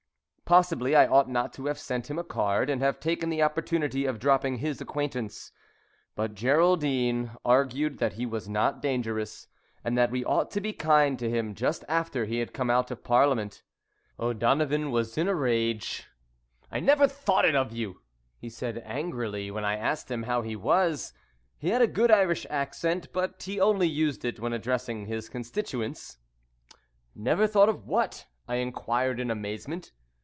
Possibly I ought not to have sent him a card and have taken the opportunity of dropping his acquaintance. But Geraldine argued that he was not dangerous, and that we ought to be kind to him just after he had come out of Parliament. O'Donovan was in a rage. [Illustration: "O'DONOVAN WAS IN A RAGE."] "I never thought it of you!" he said angrily, when I asked him how he was. He had a good Irish accent, but he only used it when addressing his constituents. "Never thought what?" I enquired in amazement.